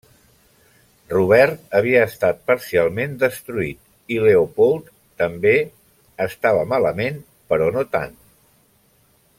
Robert havia estat parcialment destruït i Leopold també estava malament, però no tant.